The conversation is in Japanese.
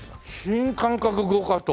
新感覚ゴーカート。